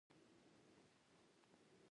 فضل ماته وویل زه اول یم